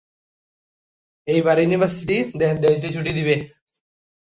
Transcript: এইসব পরীক্ষামূলক প্রমাণ সাধারণ আপেক্ষিকতার অধীনেই হয়েছিল।